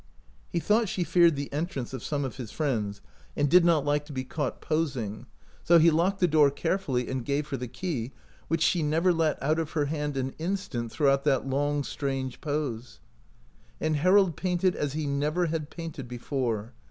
He thought she feared the entrance of some of his friends and did not like to be 116 OUT OF BOHEMIA caught posing, so he locked the door care fully and gave her the key, which she never let out of her hand an instant throughout that long, strange pose. And Harold painted as he never had painted before.